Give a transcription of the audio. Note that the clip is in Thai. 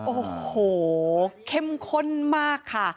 โอ้โหเข้มข้นมากค่ะ